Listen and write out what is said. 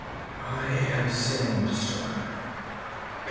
"I have sinned, Stark.